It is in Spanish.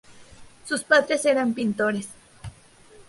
Sus padres eran pintores.